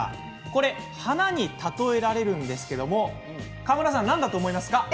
これ、花に例えられるんですけれど川村さん、何だと思いますか？